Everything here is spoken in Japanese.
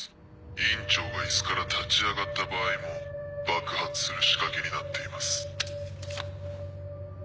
院長がイスから立ち上がった場合も爆発する仕掛けになっています。